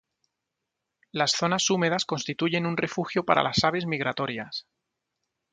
Las zonas húmedas constituyen un refugio para las aves migratorias.